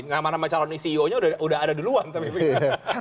nama nama calon ceo nya sudah ada duluan